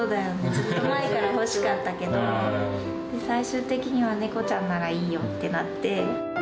ずっと前から欲しかったけど、最終的には、猫ちゃんならいいよってなって。